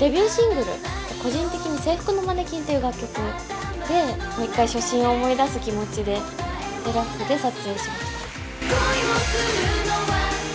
デビューシングル、個人的に制服のマネキンっていう楽曲で、もう一回、初心を思い出す気持ちで、セーラー服で撮影しました。